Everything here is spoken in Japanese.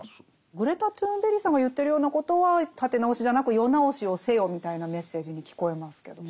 グレタ・トゥーンベリさんが言ってるようなことは立て直しじゃなく世直しをせよみたいなメッセージに聞こえますけどもね。